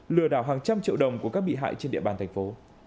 lừa đảo hàng trăm triệu đồng của các bị hại trên địa bàn thành phố